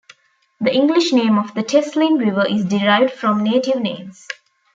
The English name of the Teslin River is derived from native names.